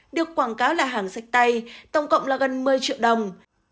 được quảng cáo là hàng sách tay tổng cộng là gần một mươi triệu đồng